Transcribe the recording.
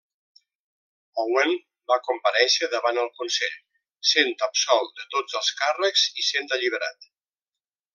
Owen va comparèixer davant el Consell, sent absolt de tots els càrrecs i sent alliberat.